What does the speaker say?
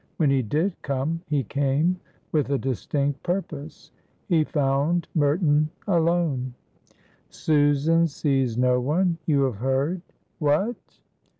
When he did come he came with a distinct purpose. He found Merton alone. "Susan sees no one. You have heard?" "What?"